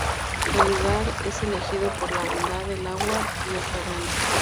El lugar es elegido por la bondad del agua y el terreno.